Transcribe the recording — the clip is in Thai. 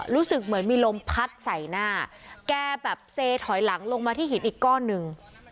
รู้สึกเหมือนมีลมพัดใส่หน้าแกแบบเซถอยหลังลงมาที่หินอีกก้อนหนึ่ง